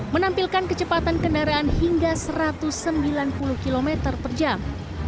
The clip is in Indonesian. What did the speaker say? menampilkan kecepatan kendaraan hingga satu ratus sembilan puluh km per jam